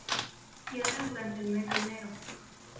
Cierra durante el mes de enero.